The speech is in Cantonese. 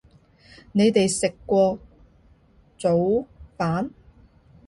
你哋食過早吂